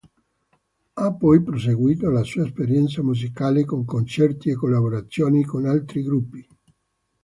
Ha poi proseguito la sua esperienza musicale con concerti e collaborazioni con altri gruppi.